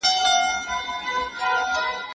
د جرګې تلویزیون څه ډول خپروني لري؟